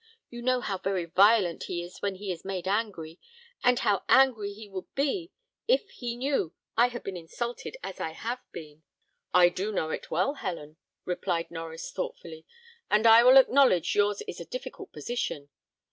You know how very violent he is when he is made angry, and how angry he would be if he knew I had been insulted as I have been." "I do know it well, Helen," replied Norries, thoughtfully, "and I will acknowledge yours is a difficult position.